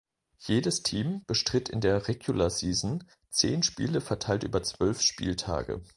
Jedes Team bestritt in der Regular Season zehn Spiele verteilt über zwölf Spieltage.